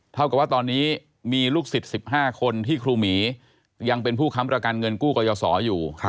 เท่ากับว่าตอนนี้มีลูกศิษย์๑๕คนที่ครูหมียังเป็นผู้ค้ำประกันเงินกู้ก่อยสออยู่